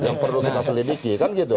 yang perlu kita selidiki